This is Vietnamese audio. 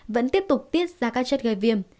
vẫn tiếp tục tiết ra các chất gây viêm